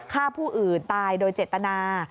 ฆ่าผู้อื่นตายโดยเจตนา